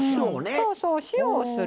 そうそう塩をする。